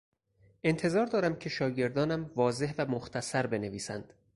انتظار دارم که شاگردانم واضح و مختصر بنویسند.